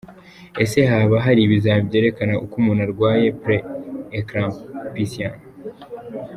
Ese haba hari ibizamini byerekana ko umuntu arwaye pre-eclampsia?.